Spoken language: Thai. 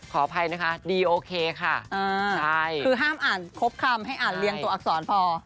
คงทำให้อ่านตัวอักษรพอ